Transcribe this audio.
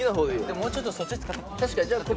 もうちょっとそっち使って。